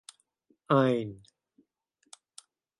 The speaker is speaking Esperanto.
ajn